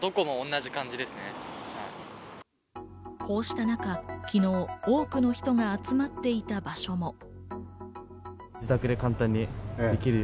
こうした中、昨日、多くの人が集まっていた場所も。